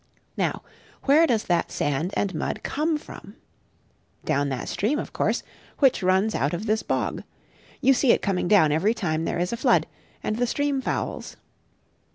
Now where does that sand and mud come from? Down that stream, of course, which runs out of this bog. You see it coming down every time there is a flood, and the stream fouls.